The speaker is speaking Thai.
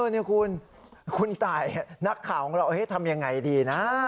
นี่คุณคุณตายนักข่าวของเราทำยังไงดีนะ